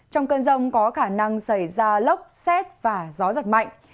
trong cơn rông có khả năng xảy ra lốc xét và gió giật mạnh